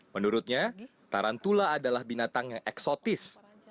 menurutnya tarantula adalah binatang yang eksotis